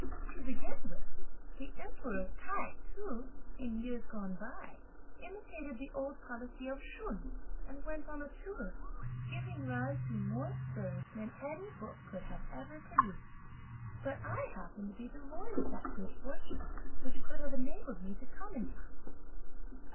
To begin with, the Emperor Tai Tsu, in years gone by, imitated the old policy of Shun, and went on a tour, giving rise to more stir than any book could have ever produced; but I happen to be devoid of that good fortune which could have enabled me to come in time."